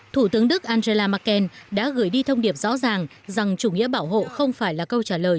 thủ tướng đức angela merkel đã gửi đi thông điệp rõ ràng rằng chủ nghĩa bảo hộ không phải là câu trả lời